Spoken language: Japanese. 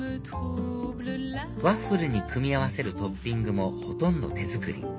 ワッフルに組み合わせるトッピングもほとんど手作り